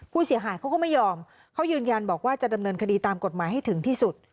ผู้เสียหายเขาก็ไม่ยอมเขายืนยันบอกว่าจะดำเนินคดีตามกฎหมายให้ถึงที่สุด